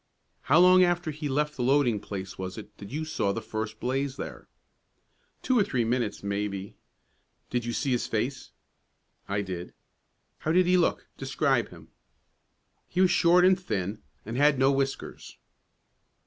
"How long after he left the loading place was it that you saw the first blaze there?" "Two or three minutes, maybe." "Did you see his face?" "I did." "How did he look? Describe him." "He was short and thin, and had no whiskers."